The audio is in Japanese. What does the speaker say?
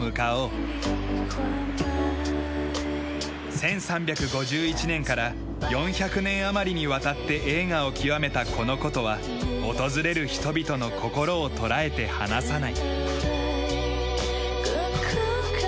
１３５１年から４００年余りにわたって栄華を極めたこの古都は訪れる人々の心を捉えて離さない。